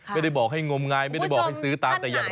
ไม่ได้บอกให้งมงายไม่ได้บอกให้ซื้อตามแต่อย่างใด